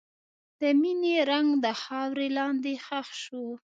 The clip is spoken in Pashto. د مینې رنګ د خاورې لاندې ښخ شو.